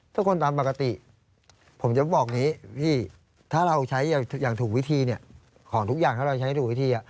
ถ้าคนตามปกติผมจะบอกอย่างนี้พี่ถ้าเราใช้อย่างถูกวิธีเนี่ยของทุกอย่างถ้าเราใช้ถูกวิธี